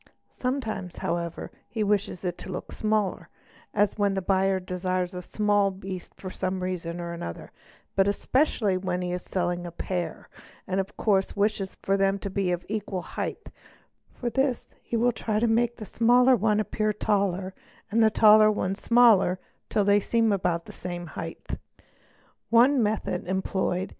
Sometimes however he wishes it to look smaller, as when the 'ighe desires a small beast for some reason or other, but especially when he is selling a pair and of course wishes them to be of equal height ; for Pihis he will try to make the smaller one appear taller and the taller one i smaller till they seem about the same height. One method employed.